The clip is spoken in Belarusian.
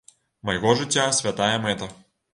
Майго жыцця святая мэта.